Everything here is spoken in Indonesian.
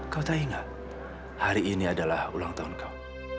kau tahu ingat hari ini adalah ulang tahun kau